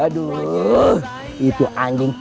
aduh itu anjing